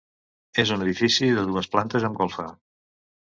És un edifici de dues plantes amb golfa.